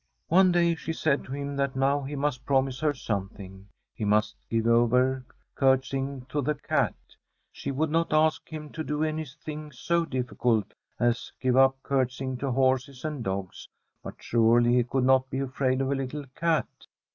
One day she said to him that now he must promise her something: he must give over curt sying to the cat. She would not ask him to do anything so difficult as give up curtsying to horses and dogs, but surely he could not be afraid of a little cat.